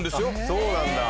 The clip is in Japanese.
そうなんだ。